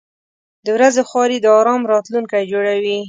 • د ورځې خواري د آرام راتلونکی جوړوي.